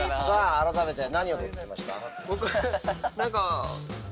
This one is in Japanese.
改めて何を取ってきました？